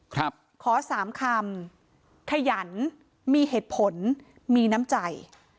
ขอสามคำขยันมีเหตุผลมีน้ำใจ